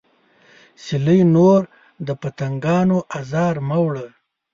سیلۍ نور د پتنګانو ازار مه وړه